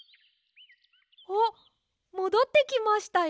あっもどってきましたよ。